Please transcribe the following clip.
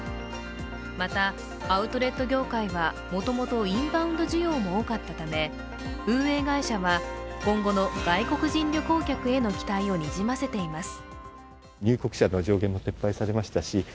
また、アウトレット業界はもともとインバウンド需要も多かったため運営会社は、今後の外国人旅行客への期待をにじませています。